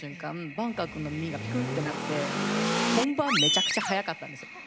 バンカーくんの耳がピクンってなって本番めちゃくちゃ速かったんですよ